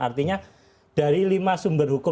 artinya dari lima sumber hukum